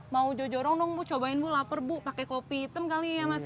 mau jojorong dong bu cobain bu laper bu pakai kopi hitam kali ya mas